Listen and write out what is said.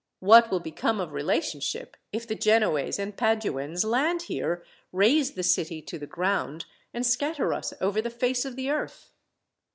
What will become of relationship, if the Genoese and Paduans land here, raze the city to the ground, and scatter us over the face of the earth?